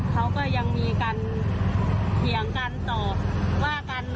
เขาก็ยังมีการเถียงกันตอบว่ากัน